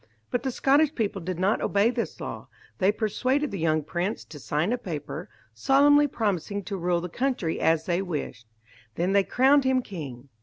But the Scottish people did not obey this law. They persuaded the young prince to sign a paper, solemnly promising to rule the country as they wished; then they crowned him king.